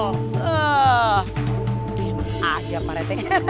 ehh emang aja pak rete